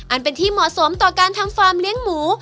อันเป็นที่เหมาะสมต่อการทำฟาร์มเลี้ยงหมู